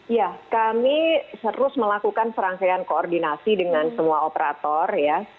ya kami terus melakukan serangkaian koordinasi dengan semua operator ya